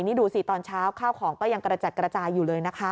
นี่ดูสิตอนเช้าข้าวของก็ยังกระจัดกระจายอยู่เลยนะคะ